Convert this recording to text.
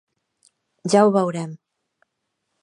Ja ho veurem.